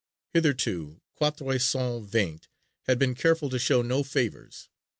Hitherto Quatre Cent Vingt had been careful to show no favors.